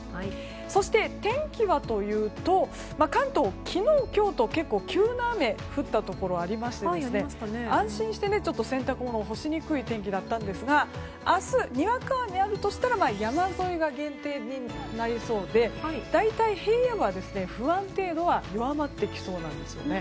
そして、天気はというと関東、昨日今日と結構、急な雨が降ったところありまして安心して洗濯物を干しにくい天気だったんですが明日、にわか雨があるとしたら山沿いが限定となりそうで大体平野部は不安定度は弱まってきそうです。